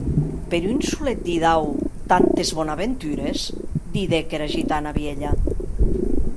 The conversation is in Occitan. Per un solet didau tantes bonaventures?, didec era gitana vielha.